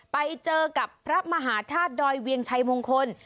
ไปเจอกับพระมหาธาตุดอยเวียงชัยมงคล